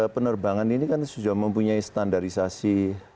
penerbangan ini kan sudah mempunyai standarisasi